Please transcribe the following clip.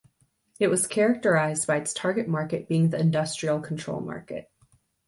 It was characterised by its target market being the industrial control market.